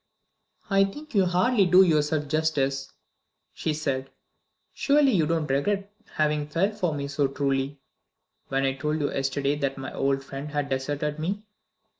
"I think you hardly do yourself justice," she said. "Surely you don't regret having felt for me so truly, when I told you yesterday that my old friend had deserted me?"